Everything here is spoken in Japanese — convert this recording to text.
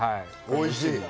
おいしい！